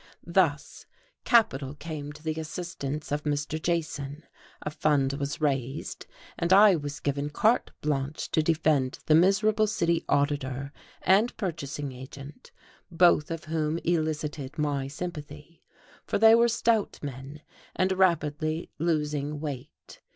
Thus capital came to the assistance of Mr. Jason, a fund was raised, and I was given carte blanche to defend the miserable city auditor and purchasing agent, both of whom elicited my sympathy; for they were stout men, and rapidly losing weight.